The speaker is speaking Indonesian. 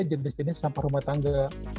jadi disini sampah rumah tangga